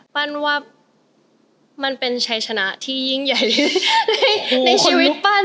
ปั้นว่ามันเป็นชัยชนะที่ยิ่งใหญ่ในชีวิตปั้น